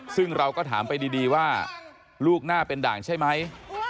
ซึ่งเราก็ถามไปดีว่าลูกหน้าเป็นด่างใช่ไหม